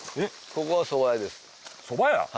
ここがそば屋です。